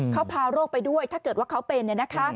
เขาพาโรคไปด้วยถ้าเกิดว่าเขาเป็น